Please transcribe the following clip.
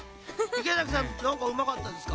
池崎さんなんかうまかったですか？